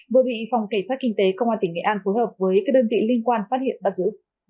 vừa bị phòng cảnh sát kinh tế công an tỉnh nghệ an phối hợp với các đơn vị liên quan phát hiện bắt giữ